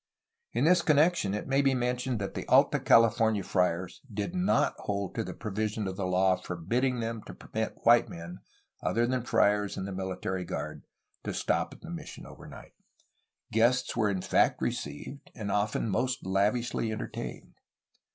In this connection it may be mentioned that the Alta Cali fornia friars did not hold to the provision of the law for bidding them to permit white men, other than friars and the mihtary guard, to stop at the mission over night. Guests were in fact received, and often most lavishly entertained.